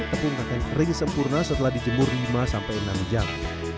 tepung pakaian kering sempurna setelah dijemur lima sampai enam jam